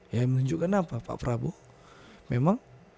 ya menunjukkan apa pak prabowo